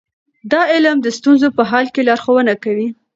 دا علم د ستونزو په حل کې لارښوونه کوي.